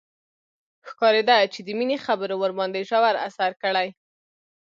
ښکارېده چې د مينې خبرو ورباندې ژور اثر کړی.